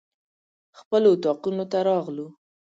خپلو اطاقونو ته راغلو.